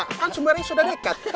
kan sumbernya sudah dekat